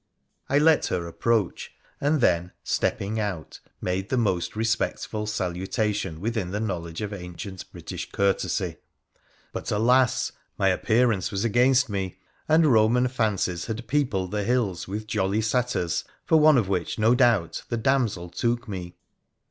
I let her approach, and then, stepping out, made the most respectful salutation within the knowledge of ancient British courtesy. But, alas ! my appearance was against me, and Boman fancies had peopled the hills with jolly satyrs, for one of which no doubt the damsel took me.